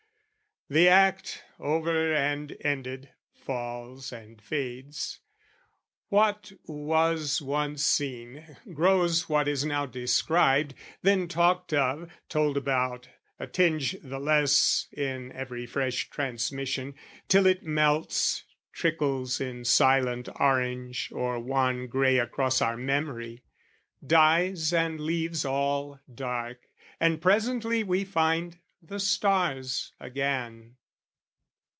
The act, over and ended, falls and fades: What was once seen, grows what is now described, Then talked of, told about, a tinge the less In every fresh transmission; till it melts, Trickles in silent orange or wan grey Across our memory, dies and leaves all dark, And presently we find the stars again.